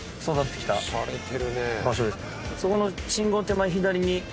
そこの信号の手前左に。